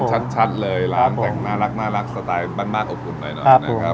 เป็นชัดเลยร้านแต่งน่ารักสไตล์บ้านบ้านอบอุ่นเลยนะครับผม